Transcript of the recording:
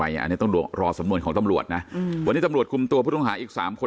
อันนี้ต้องรอสำนวนของตำรวจนะวันนี้ตำรวจคุมตัวผู้ต้องหาอีกสามคน